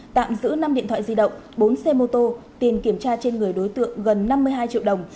tạm giữ năm điện thoại di động bốn xe mô tô tiền kiểm tra trên người đối tượng gần năm mươi hai triệu đồng